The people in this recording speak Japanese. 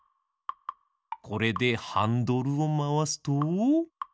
これでハンドルをまわすと。